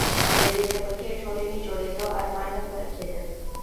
د بې طبقې ټولنې جوړېدو آرمان نه پوره کېده.